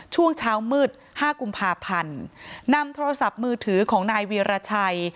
ช่วงเช้ามืดห้ากุมภาพันธ์นำโทรศัพท์มือถือของนายวีรชัย